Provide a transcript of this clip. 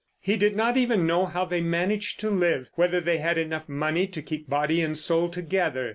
He did not even know how they managed to live, whether they had enough money to keep body and soul together.